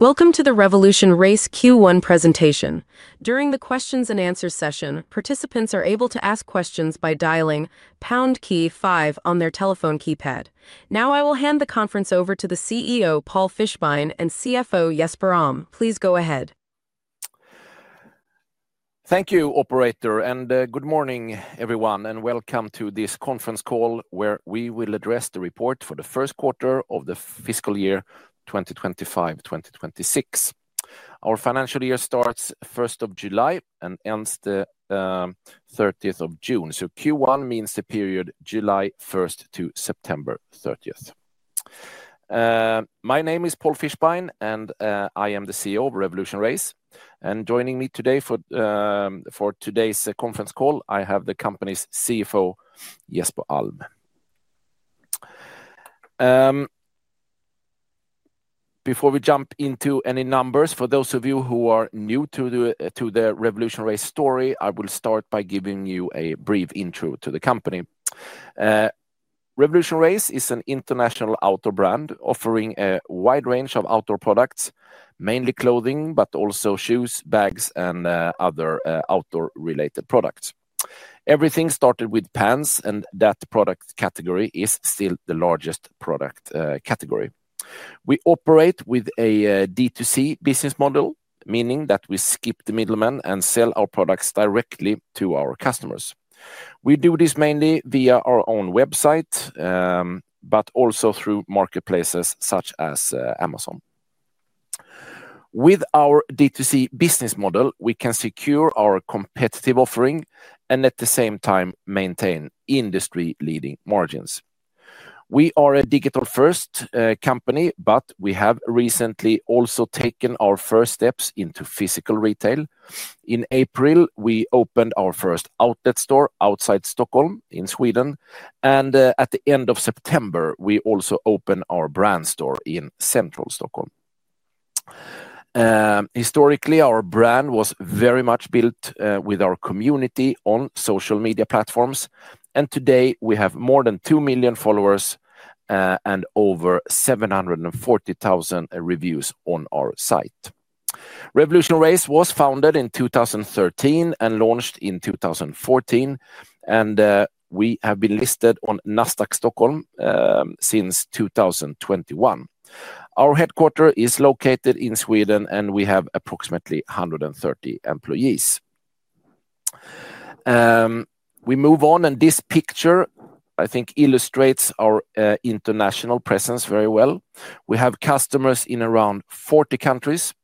Welcome to the RevolutionRace Q1 presentation. During the questions and answers session, participants are able to ask questions by dialing pound key five on their telephone keypad. Now, I will hand the conference over to the CEO, Paul Fischbein, and CFO, Jesper Alm. Please go ahead. Thank you, operator, and good morning, everyone, and welcome to this conference call where we will address the report for the first quarter of the fiscal year 2025-2026. Our financial year starts 1st of July and ends 30th of June, so Q1 means the period July 1st to September 30th. My name is Paul Fischbein, and I am the CEO of RevolutionRace. Joining me today for today's conference call, I have the company's CFO, Jesper Alm. Before we jump into any numbers, for those of you who are new to the RevolutionRace story, I will start by giving you a brief intro to the company. RevolutionRace is an international outdoor brand offering a wide range of outdoor products, mainly clothing, but also shoes, bags, and other outdoor-related products. Everything started with pants, and that product category is still the largest product category. We operate with a D2C business model, meaning that we skip the middleman and sell our products directly to our customers. We do this mainly via our own website, but also through marketplaces such as Amazon. With our D2C business model, we can secure our competitive offering and at the same time maintain industry-leading margins. We are a digital-first company, but we have recently also taken our first steps into physical retail. In April, we opened our first outlet store outside Stockholm, in Sweden, and at the end of September, we also opened our brand store in central Stockholm. Historically, our brand was very much built with our community on social media platforms, and today we have more than 2 million followers and over 740,000 reviews on our site. RevolutionRace was founded in 2013 and launched in 2014, and we have been listed on Nasdaq Stockholm since 2021. Our headquarters are located in Sweden, and we have approximately 130 employees. We move on, and this picture, I think, illustrates our international presence very well. We have customers in around 40 countries.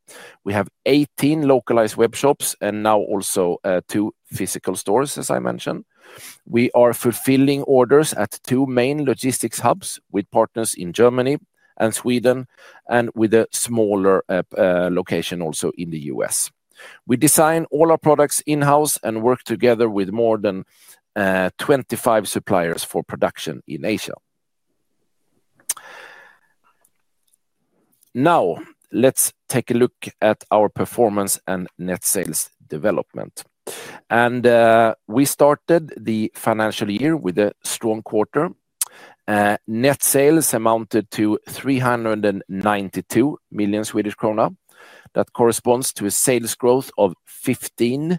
We have 18 localized web shops and now also two physical stores, as I mentioned. We are fulfilling orders at two main logistics hubs with partners in Germany and Sweden, and with a smaller location also in the U.S. We design all our products in-house and work together with more than 25 suppliers for production in Asia. Now, let's take a look at our performance and net sales development. We started the financial year with a strong quarter. Net sales amounted to 392 million Swedish krona. That corresponds to a sales growth of 15%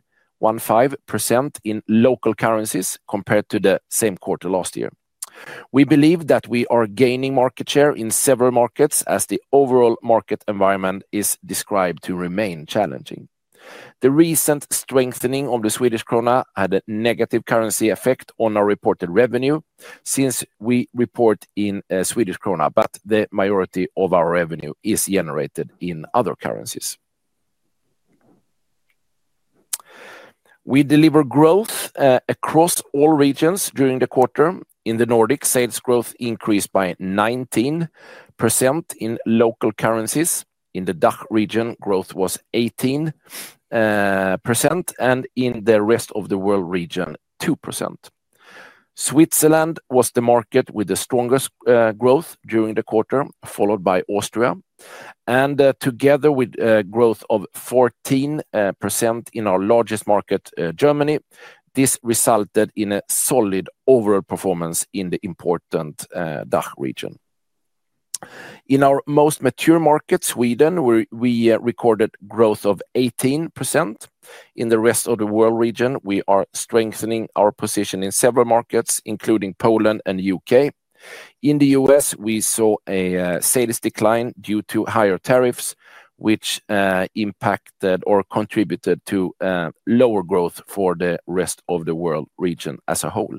in local currencies compared to the same quarter last year. We believe that we are gaining market share in several markets as the overall market environment is described to remain challenging. The recent strengthening of the Swedish krona had a negative currency effect on our reported revenue since we report in Swedish krona, but the majority of our revenue is generated in other currencies. We deliver growth across all regions during the quarter. In the Nordics, sales growth increased by 19% in local currencies. In the DACH region, growth was 18%, and in the rest of the world region, 2%. Switzerland was the market with the strongest growth during the quarter, followed by Austria, and together with a growth of 14% in our largest market, Germany, this resulted in a solid overall performance in the important DACH region. In our most mature market, Sweden, we recorded growth of 18%. In the rest of the world region, we are strengthening our position in several markets, including Poland and the U.K. In the U.S., we saw a sales decline due to higher tariffs, which impacted or contributed to lower growth for the rest of the world region as a whole.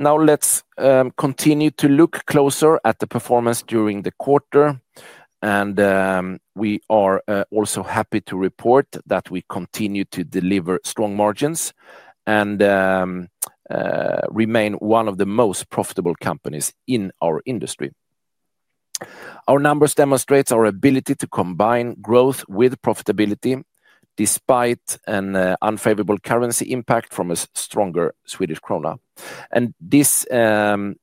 Now, let's continue to look closer at the performance during the quarter, and we are also happy to report that we continue to deliver strong margins and remain one of the most profitable companies in our industry. Our numbers demonstrate our ability to combine growth with profitability despite an unfavorable currency impact from a stronger Swedish krona. This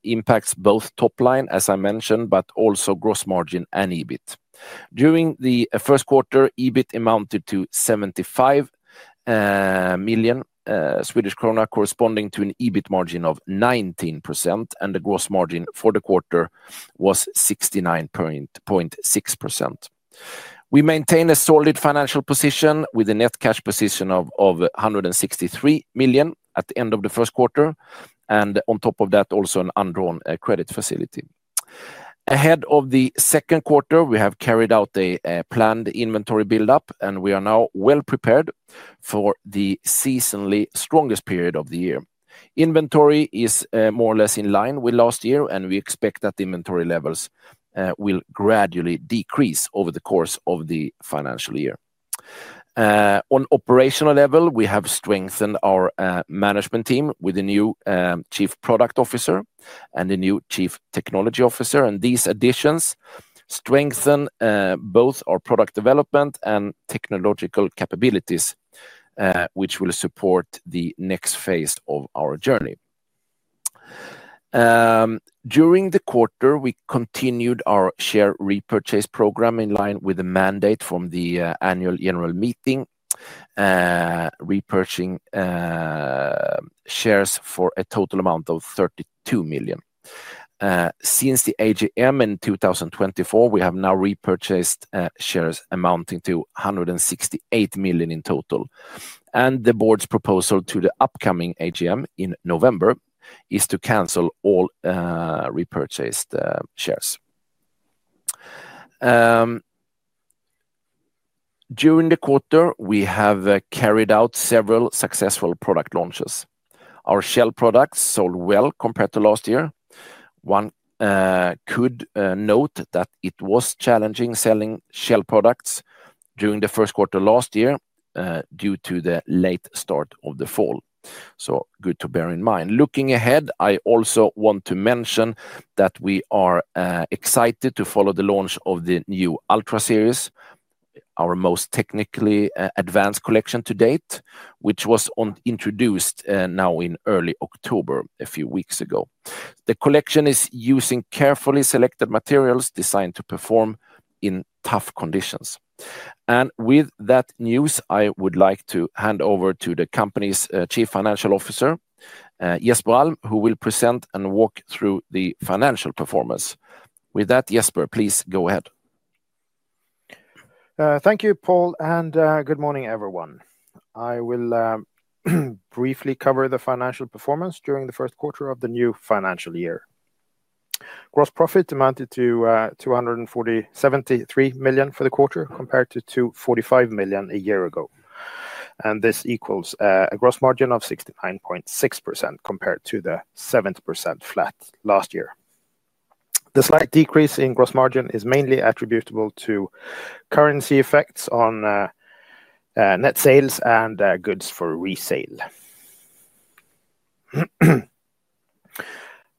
impacts both top line, as I mentioned, but also gross margin and EBIT. During the first quarter, EBIT amounted to 75 million Swedish krona, corresponding to an EBIT margin of 19%, and the gross margin for the quarter was 69.6%. We maintain a solid financial position with a net cash position of 163 million at the end of the first quarter, and on top of that, also an undrawn credit facility. Ahead of the second quarter, we have carried out a planned inventory buildup, and we are now well prepared for the seasonally strongest period of the year. Inventory is more or less in line with last year, and we expect that inventory levels will gradually decrease over the course of the financial year. On an operational level, we have strengthened our management team with a new Chief Product Officer and a new Chief Technology Officer, and these additions strengthen both our product development and technological capabilities, which will support the next phase of our journey. During the quarter, we continued our share repurchase program in line with the mandate from the annual general meeting, repurchasing shares for a total amount of 32 million. Since the AGM in 2024, we have now repurchased shares amounting to 168 million in total, and the board's proposal to the upcoming AGM in November is to cancel all repurchased shares. During the quarter, we have carried out several successful product launches. Our shell products sold well compared to last year. One could note that it was challenging selling shell products during the first quarter last year due to the late start of the fall, so good to bear in mind. Looking ahead, I also want to mention that we are excited to follow the launch of the new Ultra series, our most technically advanced collection to date, which was introduced now in early October, a few weeks ago. The collection is using carefully selected materials designed to perform in tough conditions. With that news, I would like to hand over to the company's Chief Financial Officer, Jesper Alm, who will present and walk through the financial performance. With that, Jesper, please go ahead. Thank you, Paul, and good morning, everyone. I will briefly cover the financial performance during the first quarter of the new financial year. Gross profit amounted to 240.73 million for the quarter compared to 245 million a year ago, and this equals a gross margin of 69.6% compared to the 70% flat last year. The slight decrease in gross margin is mainly attributable to currency effects on net sales and goods for resale.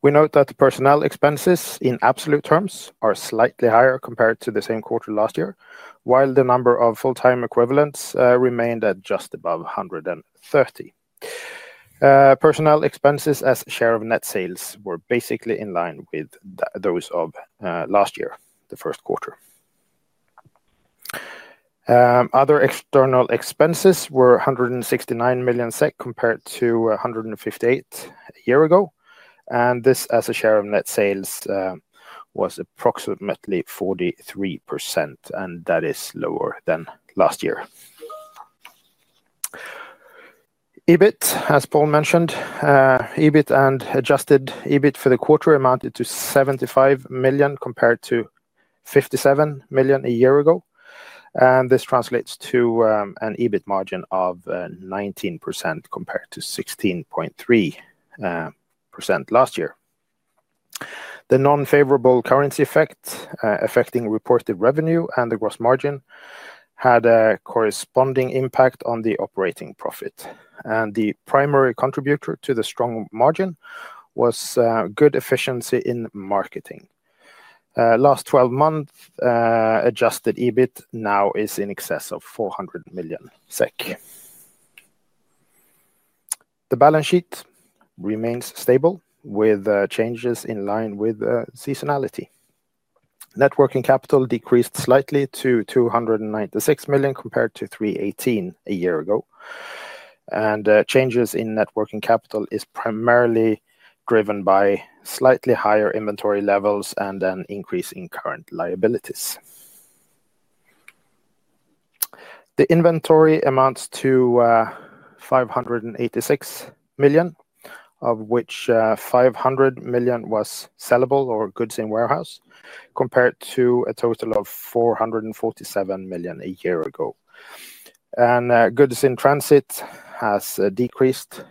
We note that the personnel expenses in absolute terms are slightly higher compared to the same quarter last year, while the number of full-time equivalents remained at just above 130. Personnel expenses as a share of net sales were basically in line with those of last year, the first quarter. Other external expenses were 169 million SEK compared to 158 million a year ago, and this as a share of net sales was approximately 43%, and that is lower than last year. EBIT, as Paul mentioned, EBIT and adjusted EBIT for the quarter amounted to 75 million compared to 57 million a year ago, and this translates to an EBIT margin of 19% compared to 16.3% last year. The non-favorable currency effect affecting reported revenue and the gross margin had a corresponding impact on the operating profit, and the primary contributor to the strong margin was good efficiency in marketing. Last 12 months, adjusted EBIT now is in excess of 400 million SEK. The balance sheet remains stable with changes in line with seasonality. Net working capital decreased slightly to 296 million compared to 318 million a year ago, and changes in net working capital are primarily driven by slightly higher inventory levels and an increase in current liabilities. The inventory amounts to 586 million, of which 500 million was sellable or goods in warehouse compared to a total of 447 million a year ago. Goods in transit has decreased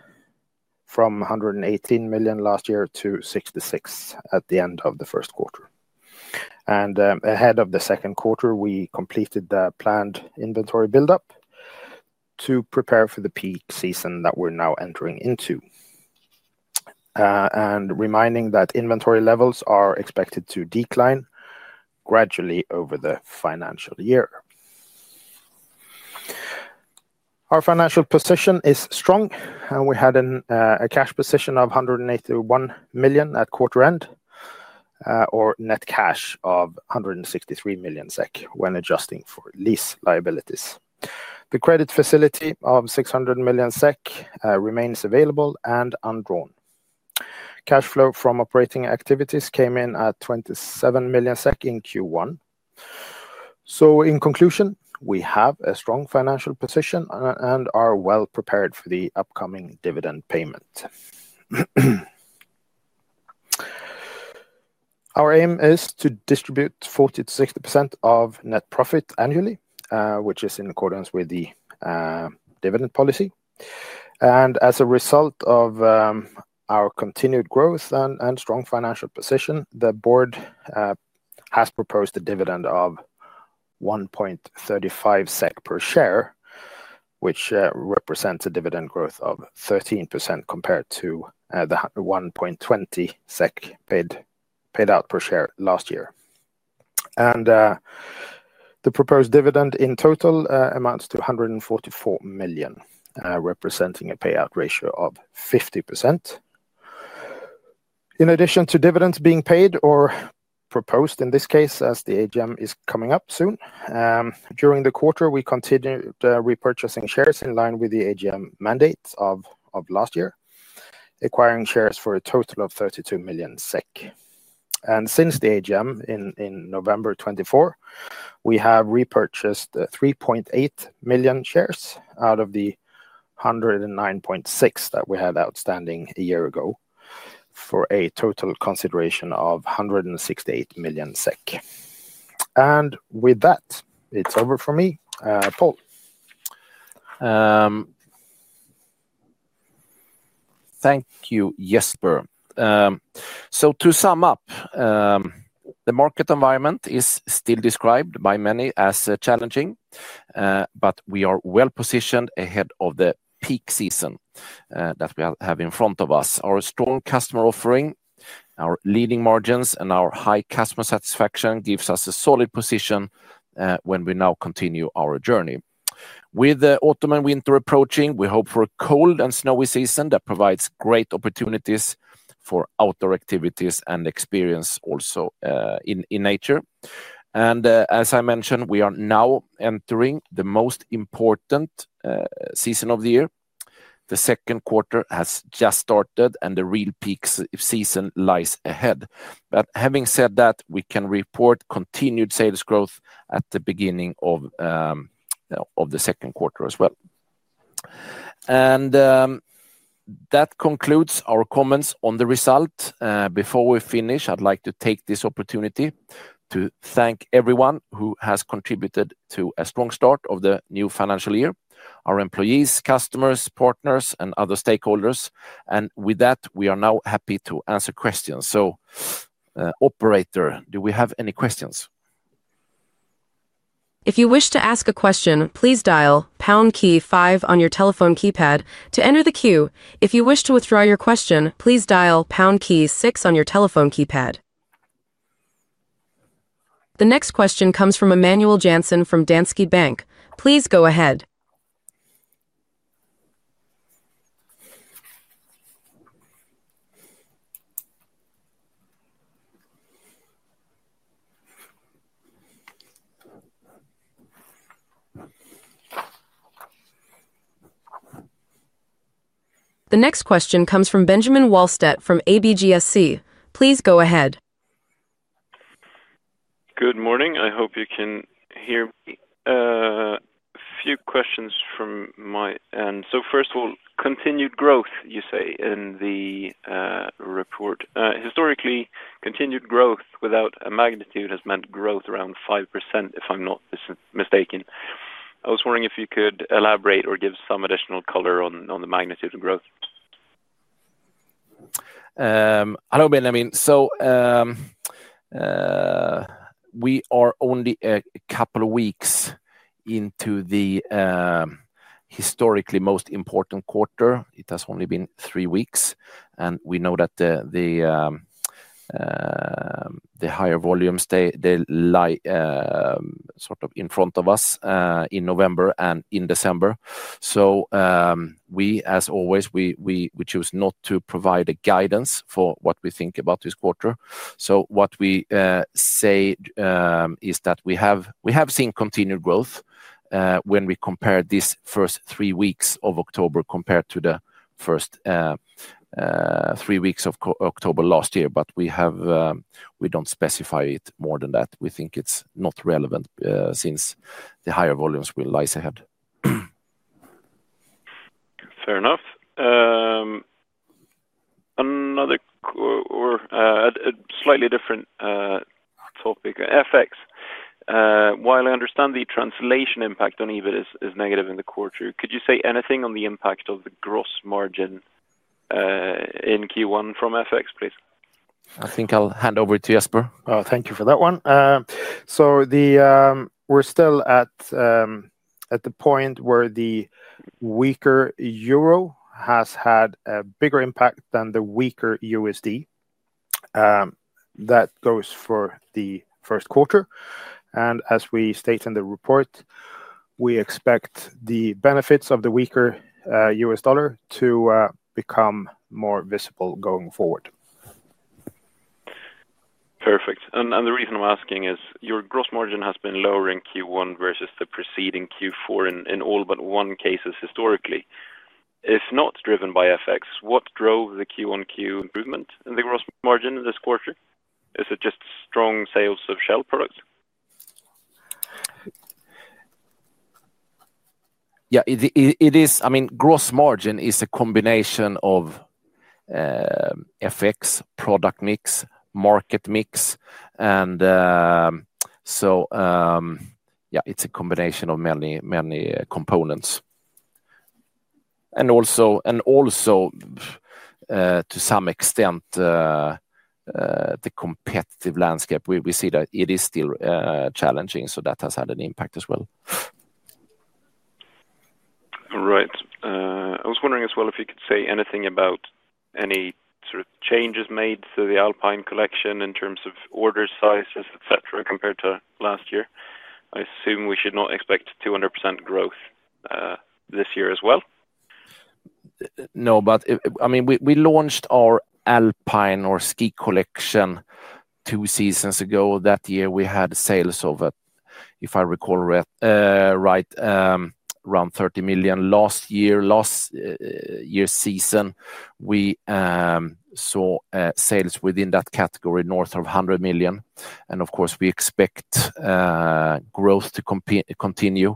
from 118 million last year to 66 million at the end of the first quarter. Ahead of the second quarter, we completed the planned inventory buildup to prepare for the peak season that we're now entering into. Reminding that inventory levels are expected to decline gradually over the financial year. Our financial position is strong, and we had a cash position of 181 million at quarter end, or net cash of 163 million SEK when adjusting for lease liabilities. The credit facility of 600 million SEK remains available and undrawn. Cash flow from operating activities came in at 27 million SEK in Q1. In conclusion, we have a strong financial position and are well prepared for the upcoming dividend payment. Our aim is to distribute 46% of net profit annually, which is in accordance with the dividend policy. As a result of our continued growth and strong financial position, the board has proposed a dividend of 1.35 SEK per share, which represents a dividend growth of 13% compared to the 1.20 SEK paid out per share last year. The proposed dividend in total amounts to 144 million, representing a payout ratio of 50%. In addition to dividends being paid or proposed in this case as the AGM is coming up soon, during the quarter, we continued repurchasing shares in line with the AGM mandates of last year, acquiring shares for a total of 32 million SEK. Since the AGM in November 2024, we have repurchased 3.8 million shares out of the 109.6 million that we had outstanding a year ago for a total consideration of 168 million SEK. With that, it's over for me. Paul. Thank you, Jesper. To sum up, the market environment is still described by many as challenging, but we are well positioned ahead of the peak season that we have in front of us. Our strong customer offering, our leading margins, and our high customer satisfaction give us a solid position when we now continue our journey. With autumn and winter approaching, we hope for a cold and snowy season that provides great opportunities for outdoor activities and experience also in nature. As I mentioned, we are now entering the most important season of the year. The second quarter has just started, and the real peak season lies ahead. Having said that, we can report continued sales growth at the beginning of the second quarter as well. That concludes our comments on the result. Before we finish, I'd like to take this opportunity to thank everyone who has contributed to a strong start of the new financial year: our employees, customers, partners, and other stakeholders. With that, we are now happy to answer questions. Operator, do we have any questions? If you wish to ask a question, please dial pound key five on your telephone keypad to enter the queue. If you wish to withdraw your question, please dial pound key six on your telephone keypad. The next question comes from Emmanuel Jansen from Danske Bank. Please go ahead. The next question comes from Benjamin Wahlstedt from ABG Sundal Collier. Please go ahead. Good morning. I hope you can hear me. A few questions from my end. First of all, continued growth, you say, in the report. Historically, continued growth without a magnitude has meant growth around 5%, if I'm not mistaken. I was wondering if you could elaborate or give some additional color on the magnitude of growth. Hello, Benjamin. We are only a couple of weeks into the historically most important quarter. It has only been three weeks, and we know that the higher volumes, they lie sort of in front of us in November and in December. As always, we choose not to provide guidance for what we think about this quarter. What we say is that we have seen continued growth when we compare these first three weeks of October compared to the first three weeks of October last year, but we don't specify it more than that. We think it's not relevant since the higher volumes will rise ahead. Fair enough. Another slightly different topic, FX. While I understand the translation impact on EBIT is negative in the quarter, could you say anything on the impact of the gross margin in Q1 from FX, please? I think I'll hand over to Jesper. Thank you for that one. We're still at the point where the weaker euro has had a bigger impact than the weaker USD. That goes for the first quarter. As we state in the report, we expect the benefits of the weaker USD to become more visible going forward. Perfect. The reason I'm asking is your gross margin has been lower in Q1 versus the preceding Q4 in all but one case historically. If not driven by FX, what drove the Q1 Q2 improvement in the gross margin in this quarter? Is it just strong sales of shell products? Yeah, it is. I mean, gross margin is a combination of FX, product mix, market mix, and it's a combination of many, many components. Also, to some extent, the competitive landscape, we see that it is still challenging, so that has had an impact as well. Right. I was wondering as well if you could say anything about any sort of changes made to the Alpine Collection in terms of order sizes, et cetera, compared to last year. I assume we should not expect 200% growth this year as well. No, but I mean, we launched our Alpine Collection or ski collection two seasons ago. That year, we had sales of, if I recall right, around 30 million. Last year, last year's season, we saw sales within that category north of 100 million. Of course, we expect growth to continue.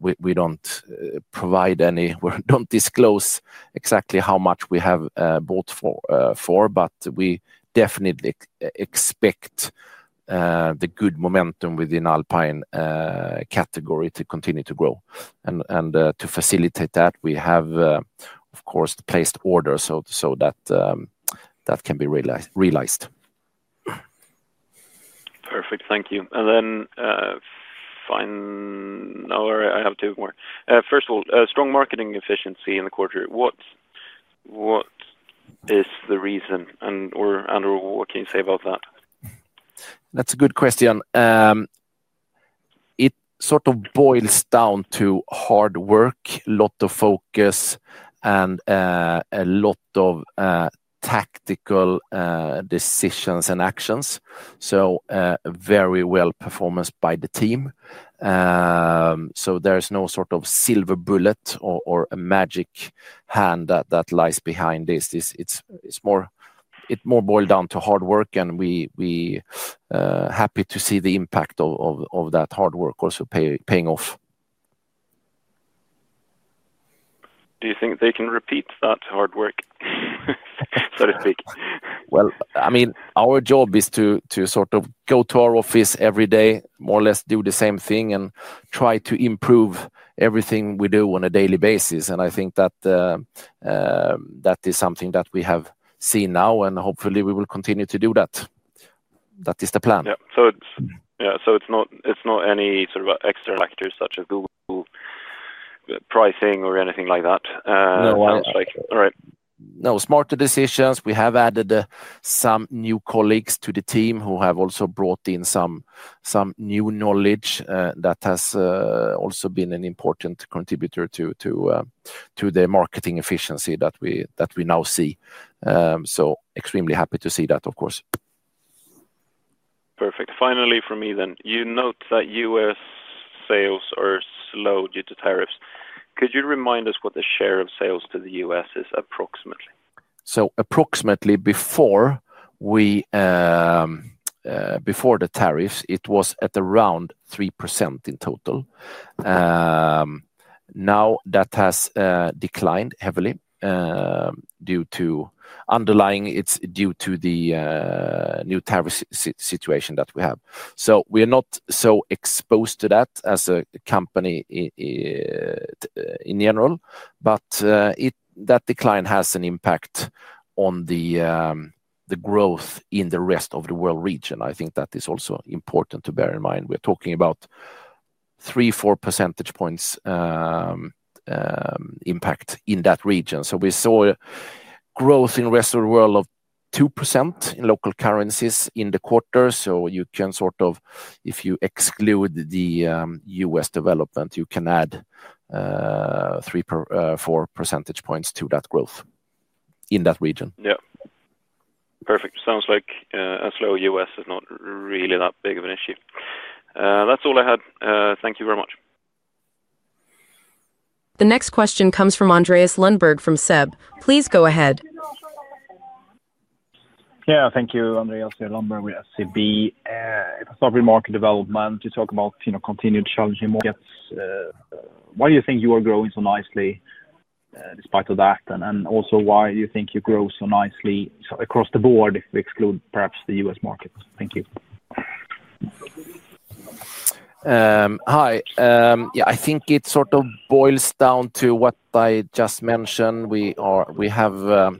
We don't provide any, we don't disclose exactly how much we have bought for, but we definitely expect the good momentum within the Alpine category to continue to grow. To facilitate that, we have, of course, placed orders so that that can be realized. Perfect. Thank you. I have two more. First of all, strong marketing efficiency in the quarter. What is the reason, and what can you say about that? That's a good question. It sort of boils down to hard work, a lot of focus, and a lot of tactical decisions and actions. Very well performed by the team. There is no sort of silver bullet or a magic hand that lies behind this. It more boils down to hard work, and we are happy to see the impact of that hard work also paying off. Do you think they can repeat that hard work, so to speak? Our job is to sort of go to our office every day, more or less do the same thing, and try to improve everything we do on a daily basis. I think that is something that we have seen now, and hopefully, we will continue to do that. That is the plan. It's not any sort of external actors such as Google pricing or anything like that. No, I understand. Right. We have added some new colleagues to the team who have also brought in some new knowledge. That has also been an important contributor to the marketing efficiency that we now see. Extremely happy to see that, of course. Perfect. Finally, for me then, you note that U.S. sales are slow due to tariffs. Could you remind us what the share of sales to the U.S. is approximately? Approximately, before the tariffs, it was at around 3% in total. Now that has declined heavily due to the new tariff situation that we have. We are not so exposed to that as a company in general, but that decline has an impact on the growth in the rest of the world region. I think that is also important to bear in mind. We're talking about three, four percentage points impact in that region. We saw growth in the rest of the world of 2% in local currencies in the quarter. If you exclude the U.S. development, you can add three, four percentage points to that growth in that region. Yeah. Perfect. Sounds like a slow U.S. is not really that big of an issue. That's all I had. Thank you very much. The next question comes from Andreas Lundberg from SEB. Please go ahead. Thank you, Andreas Lundberg with SEB. If I start with market development, you talk about continued challenging. Why do you think you are growing so nicely despite all that? Also, why do you think you grow so nicely across the board if we exclude perhaps the U.S. market? Thank you. Hi. I think it sort of boils down to what I just mentioned. We have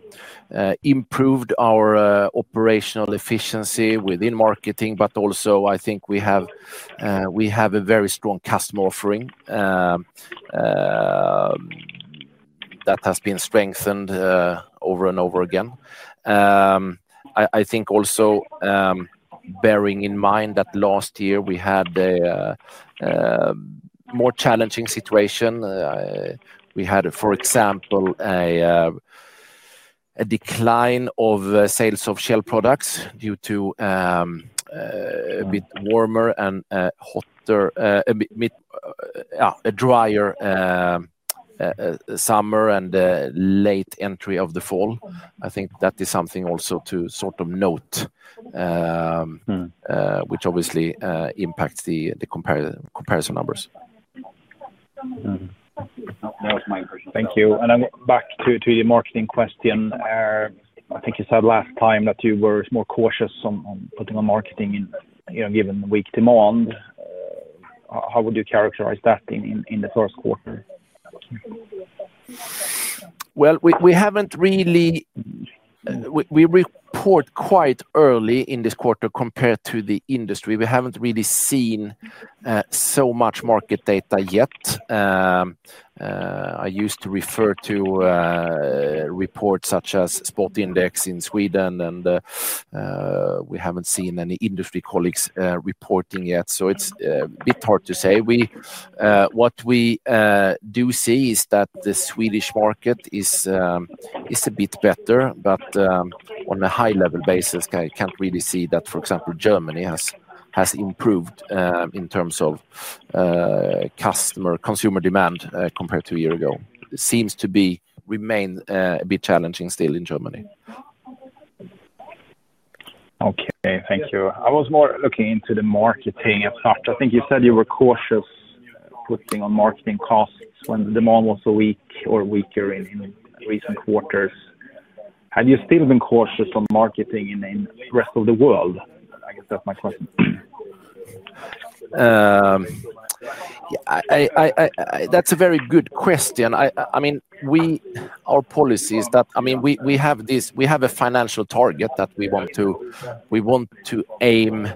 improved our operational efficiency within marketing, but also, I think we have a very strong customer offering that has been strengthened over and over again. I think also bearing in mind that last year we had a more challenging situation. We had, for example, a decline of sales of shell products due to a bit warmer and hotter, a bit drier summer and late entry of the fall. I think that is something also to sort of note, which obviously impacts the comparison numbers. Thank you. I'm back to the marketing question. I think you said last time that you were more cautious on putting on marketing given weak demand. How would you characterize that in the first quarter? We report quite early in this quarter compared to the industry. We haven't really seen so much market data yet. I used to refer to reports such as Spot Index in Sweden, and we haven't seen any industry colleagues reporting yet. It's a bit hard to say. What we do see is that the Swedish market is a bit better, but on a high-level basis, I can't really see that, for example, Germany has improved in terms of consumer demand compared to a year ago. It seems to remain a bit challenging still in Germany. Okay. Thank you. I was more looking into the marketing as such. I think you said you were cautious putting on marketing costs when the demand was so weak or weaker in recent quarters. Have you still been cautious on marketing in the rest of the world? I guess that's my question. That's a very good question. Our policy is that we have a financial target that we want to aim.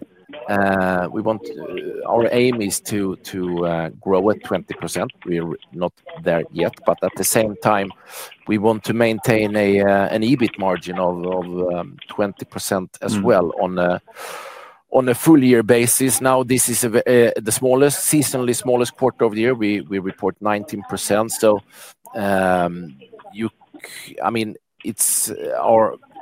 Our aim is to grow at 20%. We are not there yet, but at the same time, we want to maintain an EBIT margin of 20% as well on a full-year basis. This is the seasonally smallest quarter of the year. We report 19%.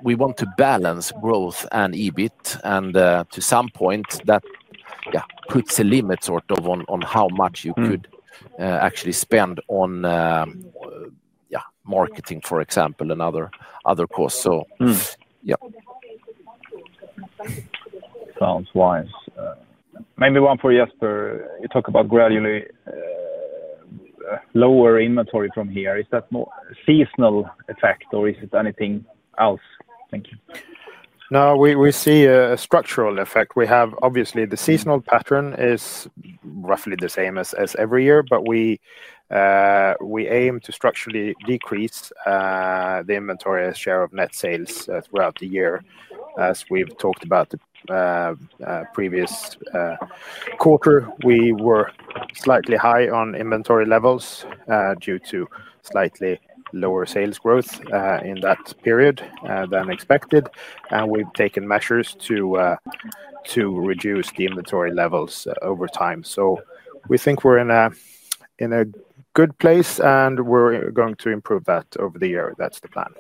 We want to balance growth and EBIT. To some point, that puts a limit on how much you could actually spend on marketing, for example, and other costs. Sounds wise. Maybe one for Jesper. You talk about gradually lower inventory from here. Is that more seasonal effect, or is it anything else? Thank you. No, we see a structural effect. We have obviously the seasonal pattern is roughly the same as every year, but we aim to structurally decrease the inventory as share of net sales throughout the year. As we've talked about the previous quarter, we were slightly high on inventory levels due to slightly lower sales growth in that period than expected. We have taken measures to reduce the inventory levels over time. We think we're in a good place, and we're going to improve that over the year. That's the plan.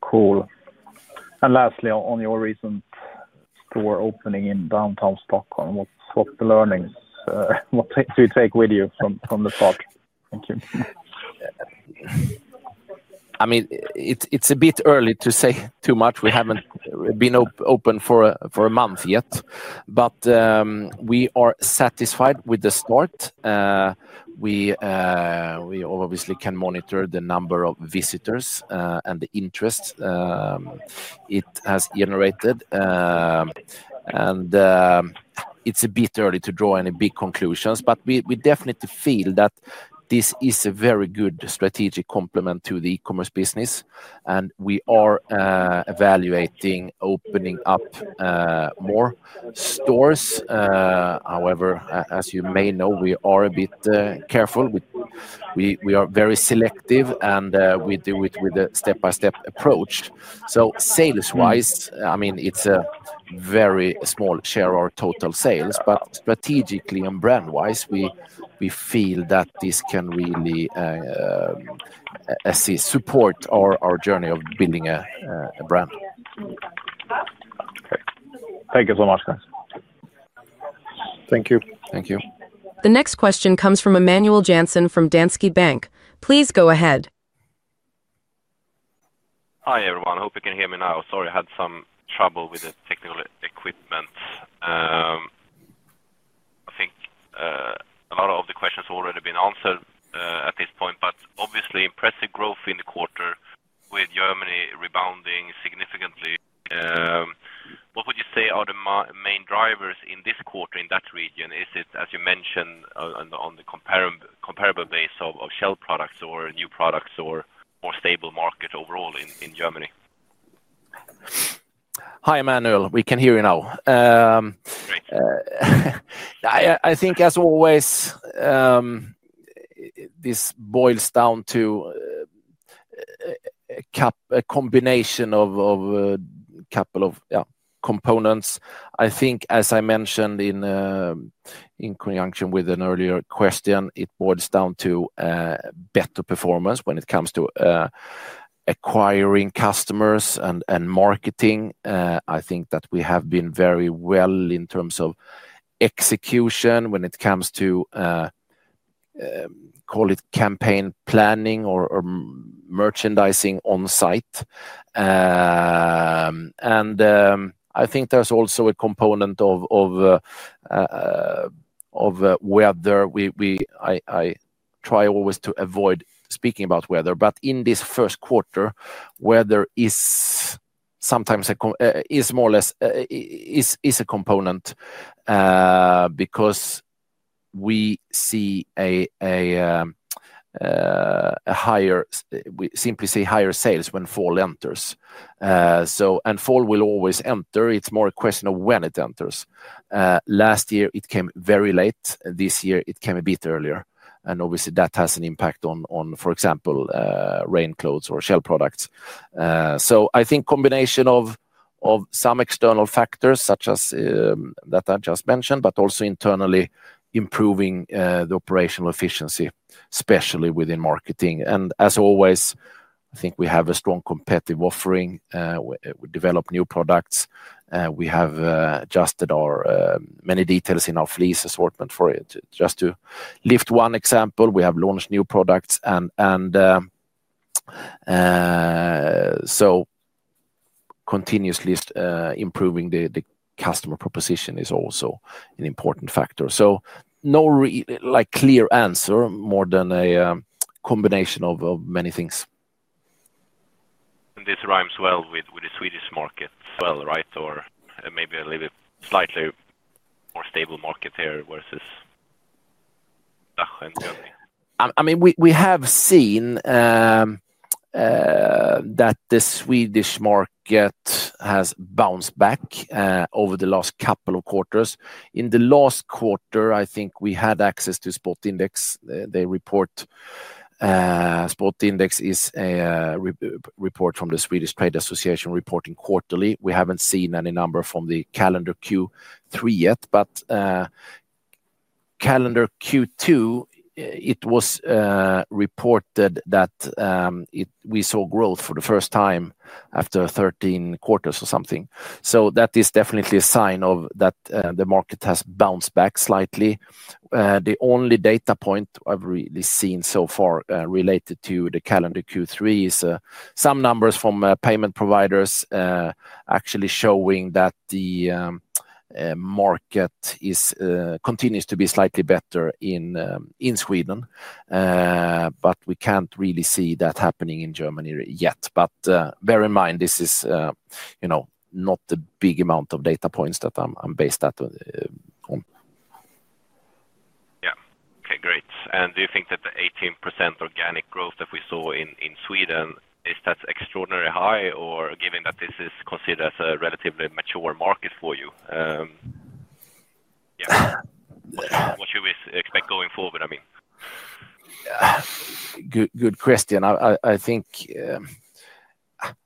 Cool. Lastly, on your recent store opening in downtown Stockholm, what's the learnings? What do you take with you from the start? Thank you. It's a bit early to say too much. We haven't been open for a month yet, but we are satisfied with the start. We obviously can monitor the number of visitors and the interest it has generated. It's a bit early to draw any big conclusions, but we definitely feel that this is a very good strategic complement to the e-commerce business. We are evaluating opening up more stores. However, as you may know, we are a bit careful. We are very selective, and we do it with a step-by-step approach. Sales-wise, it's a very small share of our total sales, but strategically and brand-wise, we feel that this can really support our journey of building a brand. Okay, thank you so much, guys. Thank you. Thank you. The next question comes from Emmanuel Jansen from Danske Bank. Please go ahead. Hi, everyone. I hope you can hear me now. Sorry, I had some trouble with the technical equipment. I think a lot of the questions have already been answered at this point, but obviously, impressive growth in the quarter with Germany rebounding significantly. What would you say are the main drivers in this quarter in that region? Is it, as you mentioned, on the comparable base of shell products or new products or more stable market overall in Germany? Hi, Emmanuel. We can hear you now. Great. I think, as always, this boils down to a combination of a couple of components. I think, as I mentioned in conjunction with an earlier question, it boils down to better performance when it comes to acquiring customers and marketing. I think that we have been very well in terms of execution when it comes to, call it, campaign planning or merchandising on-site. I think there's also a component of weather. I try always to avoid speaking about weather, but in this first quarter, weather is more or less a component because we see higher sales when fall enters. Fall will always enter. It's more a question of when it enters. Last year, it came very late. This year, it came a bit earlier. Obviously, that has an impact on, for example, rain clothes or shell products. I think a combination of some external factors such as that I just mentioned, but also internally improving the operational efficiency, especially within marketing. As always, I think we have a strong competitive offering. We develop new products. We have adjusted many details in our fleece assortment for it. Just to lift one example, we have launched new products. Continuously improving the customer proposition is also an important factor. No clear answer, more than a combination of many things. This rhymes well with the Swedish market, right? Maybe a slightly more stable market here versus the DACH region and Germany. I mean, we have seen that the Swedish market has bounced back over the last couple of quarters. In the last quarter, I think we had access to Spot Index. The report Spot Index is a report from the Swedish Trade Association reporting quarterly. We haven't seen any number from the calendar Q3 yet, but calendar Q2, it was reported that we saw growth for the first time after 13 quarters or something. That is definitely a sign that the market has bounced back slightly. The only data point I've really seen so far related to the calendar Q3 is some numbers from payment providers actually showing that the market continues to be slightly better in Sweden, but we can't really see that happening in Germany yet. Bear in mind, this is not the big amount of data points that I'm based on. Okay. Great. Do you think that the 18% organic growth that we saw in Sweden, is that extraordinarily high, or given that this is considered as a relatively mature market for you, what should we expect going forward? Good question. I think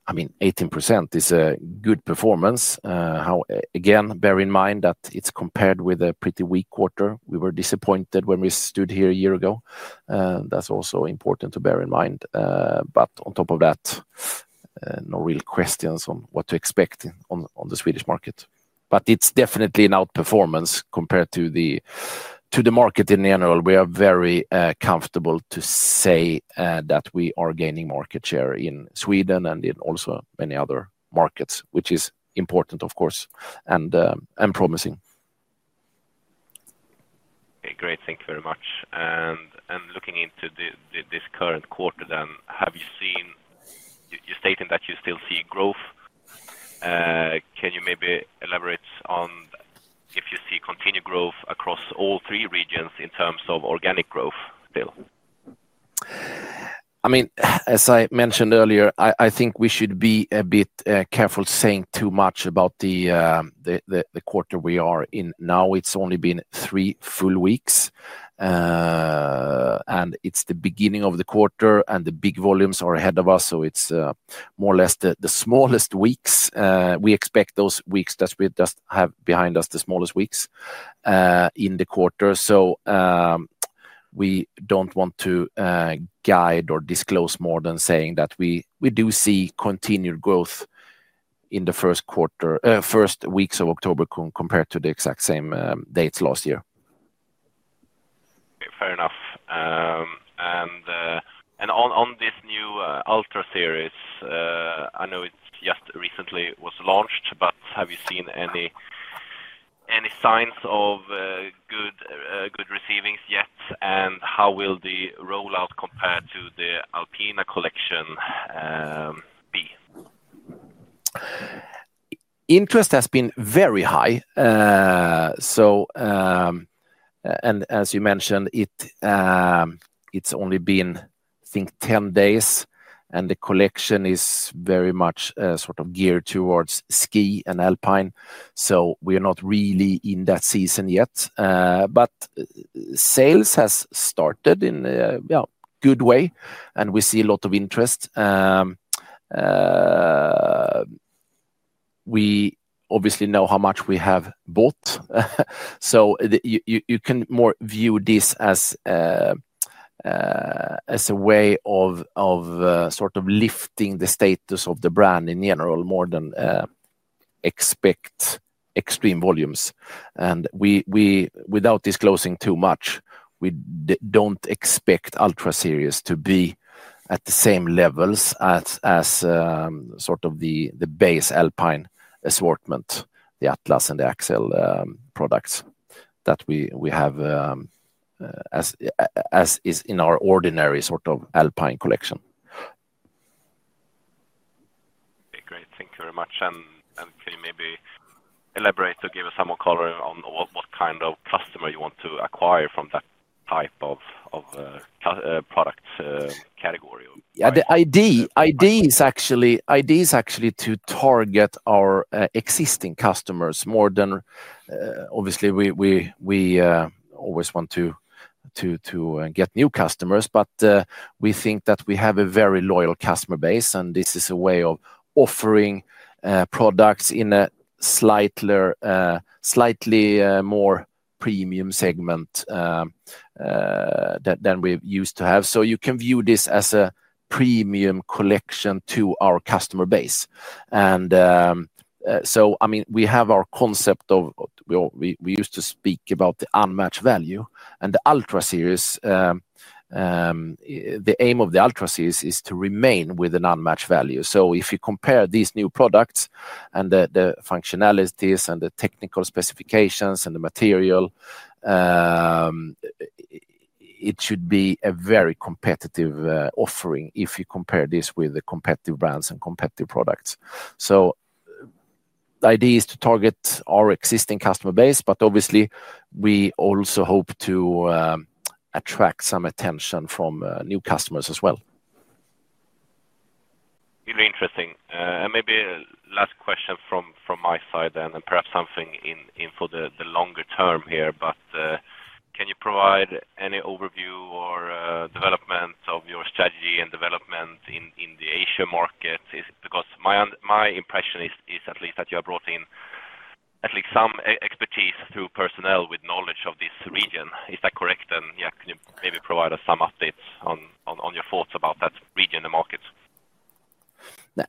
18% is a good performance. Again, bear in mind that it's compared with a pretty weak quarter. We were disappointed when we stood here a year ago. That's also important to bear in mind. On top of that, no real questions on what to expect on the Swedish market. It's definitely an outperformance compared to the market in general. We are very comfortable to say that we are gaining market share in Sweden and in also many other markets, which is important, of course, and promising. Okay. Great. Thank you very much. Looking into this current quarter, have you seen you stated that you still see growth. Can you maybe elaborate on if you see continued growth across all three regions in terms of organic growth still? As I mentioned earlier, I think we should be a bit careful saying too much about the quarter we are in now. It's only been three full weeks, and it's the beginning of the quarter, and the big volumes are ahead of us. It's more or less the smallest weeks. We expect those weeks that we just have behind us, the smallest weeks in the quarter. We don't want to guide or disclose more than saying that we do see continued growth in the first weeks of October compared to the exact same dates last year. Fair enough. On this new Ultra series, I know it just recently was launched, but have you seen any signs of good receivings yet? How will the rollout compare to the Alpine Collection be? Interest has been very high. As you mentioned, it's only been, I think, 10 days, and the collection is very much sort of geared towards ski and Alpine. We are not really in that season yet, but sales have started in a good way, and we see a lot of interest. We obviously know how much we have bought, so you can more view this as a way of sort of lifting the status of the brand in general more than expect extreme volumes. Without disclosing too much, we don't expect Ultra series to be at the same levels as sort of the base Alpine assortment, the Atlas and the Axel products that we have, as is in our ordinary sort of Alpine Collection. Great. Thank you very much. Can you maybe elaborate or give us some more color on what kind of customer you want to acquire from that type of product category? Yeah. The idea is actually to target our existing customers more than, obviously, we always want to get new customers. We think that we have a very loyal customer base, and this is a way of offering products in a slightly more premium segment than we used to have. You can view this as a premium collection to our customer base. I mean, we have our concept of we used to speak about the unmatched value. The Ultra series, the aim of the Ultra series is to remain with an unmatched value. If you compare these new products and the functionalities and the technical specifications and the material, it should be a very competitive offering if you compare this with the competitive brands and competitive products. The idea is to target our existing customer base, but obviously, we also hope to attract some attention from new customers as well. Really interesting. Maybe last question from my side, and perhaps something for the longer term here, can you provide any overview or development of your strategy and development in the Asia market? My impression is at least that you have brought in at least some expertise through personnel with knowledge of this region. Is that correct? Can you maybe provide us some updates on your thoughts about that region and markets?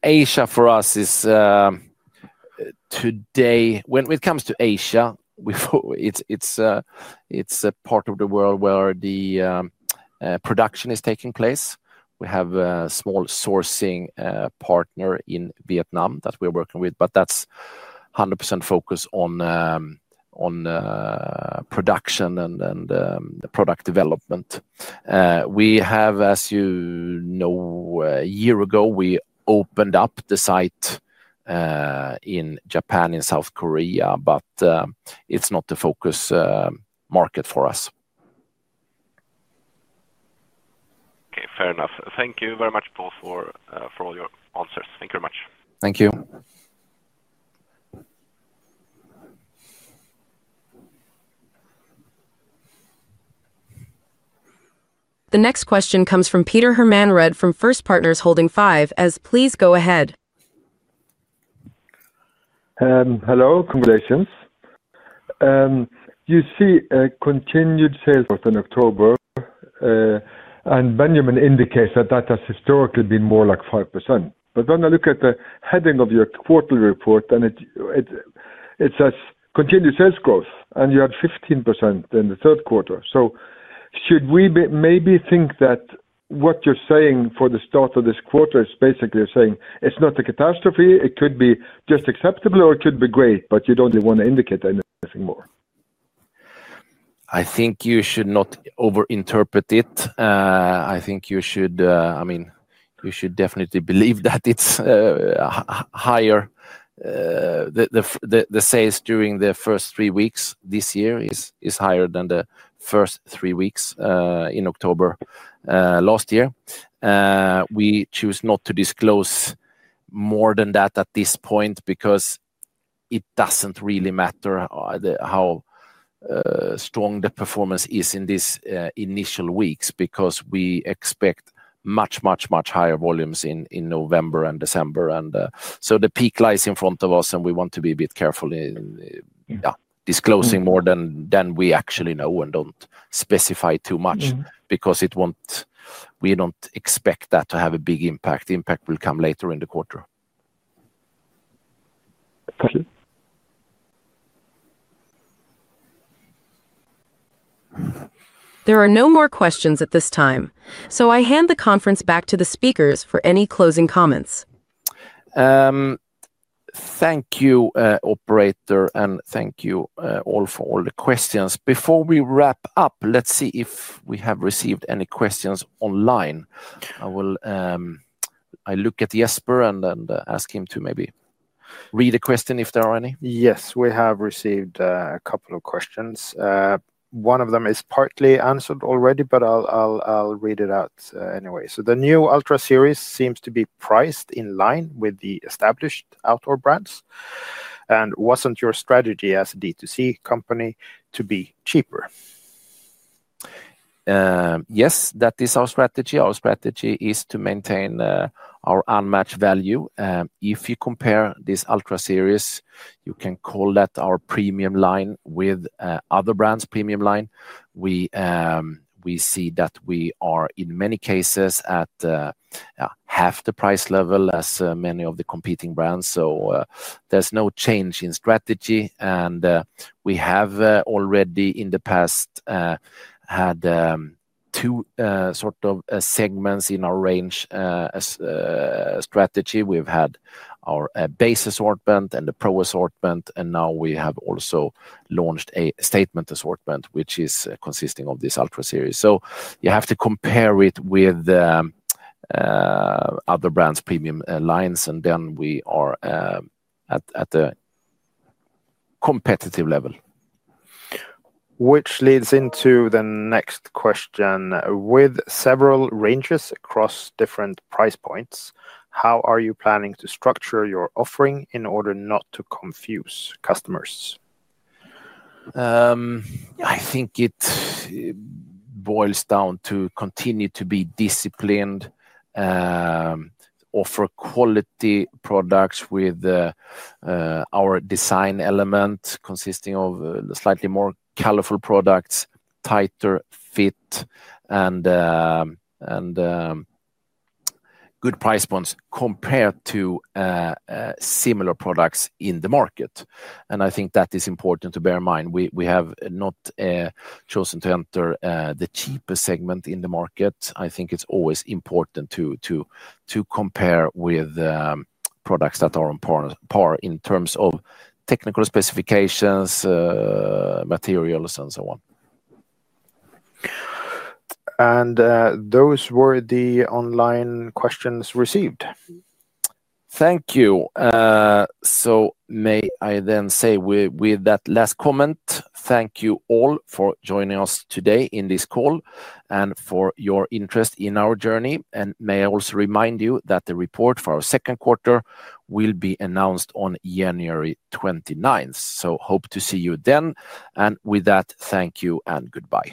Asia for us is today, when it comes to Asia, it's a part of the world where the production is taking place. We have a small sourcing partner in Vietnam that we're working with, but that's 100% focused on production and product development. We have, as you know, a year ago, we opened up the site in Japan and South Korea, but it's not the focus market for us. Okay. Fair enough. Thank you very much, Paul, for all your answers. Thank you very much. Thank you. The next question comes from Peter Hermanrud from First Partners Holding Five AS. Please go ahead. Hello. Congratulations. You see a continued sales growth in October, and Benjamin indicates that that has historically been more like 5%. I look at the heading of your quarterly report, and it says continued sales growth, and you had 15% in the third quarter. Should we maybe think that what you're saying for the start of this quarter is basically saying it's not a catastrophe? It could be just acceptable, or it could be great, but you don't really want to indicate anything more. I think you should not overinterpret it. I think you should, I mean, you should definitely believe that it's higher. The sales during the first three weeks this year are higher than the first three weeks in October last year. We choose not to disclose more than that at this point because it doesn't really matter how strong the performance is in these initial weeks. We expect much, much, much higher volumes in November and December. The peak lies in front of us, and we want to be a bit careful in disclosing more than we actually know and don't specify too much because we don't expect that to have a big impact. The impact will come later in the quarter. There are no more questions at this time. I hand the conference back to the speakers for any closing comments. Thank you, operator, and thank you all for all the questions. Before we wrap up, let's see if we have received any questions online. I will look at Jesper and then ask him to maybe read a question if there are any. Yes, we have received a couple of questions. One of them is partly answered already, but I'll read it out anyway. The new Ultra series seems to be priced in line with the established outdoor brands. Wasn't your strategy as a D2C company to be cheaper? Yes, that is our strategy. Our strategy is to maintain our unmatched value. If you compare this Ultra series, you can call that our premium line, with other brands' premium line, we see that we are, in many cases, at half the price level as many of the competing brands. There is no change in strategy. We have already, in the past, had two sort of segments in our range strategy. We've had our base assortment and the pro assortment, and now we have also launched a statement assortment, which is consisting of this Ultra series. You have to compare it with other brands' premium lines, and then we are at the competitive level. Which leads into the next question. With several ranges across different price points, how are you planning to structure your offering in order not to confuse customers? I think it boils down to continue to be disciplined, offer quality products with our design element consisting of slightly more colorful products, tighter fit, and good price points compared to similar products in the market. I think that is important to bear in mind. We have not chosen to enter the cheapest segment in the market. I think it's always important to compare with products that are on par in terms of technical specifications, materials, and so on. Those were the online questions received. Thank you. May I then say with that last comment, thank you all for joining us today in this call and for your interest in our journey. May I also remind you that the report for our second quarter will be announced on January 29, 2024. Hope to see you then. With that, thank you and goodbye.